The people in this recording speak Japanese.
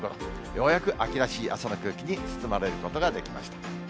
ようやく秋らしい朝の空気に包まれることができました。